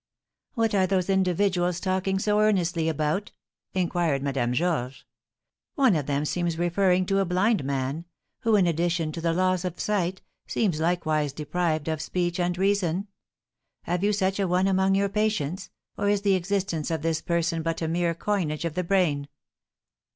"What are those individuals talking so earnestly about?" inquired Madame Georges. "One of them seems referring to a blind man, who, in addition to the loss of sight, seems likewise deprived of speech and reason. Have you such a one among your patients, or is the existence of this person but a mere coinage of the brain?"